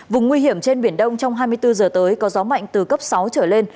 vùng nguy hiểm trên biển đông trong hai mươi bốn giờ tới có gió mạnh từ cấp sáu trở lên